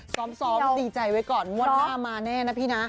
ซ้อมดีใจไว้ก่อนงวดหน้ามาแน่นะพี่นะ